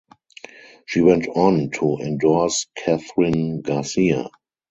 She went on to endorse Kathryn Garcia.